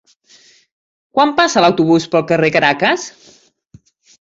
Quan passa l'autobús pel carrer Caracas?